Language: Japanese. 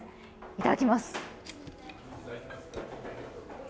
いただきます！